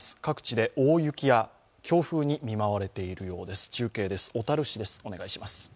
各地で大雪や強風に見舞われているようです。